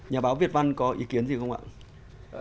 nhà báo việt văn có ý kiến gì không ạ